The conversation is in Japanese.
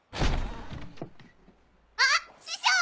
あっ師匠！